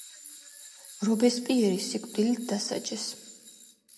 რობესპიერი სიკვდილით დასაჯეს.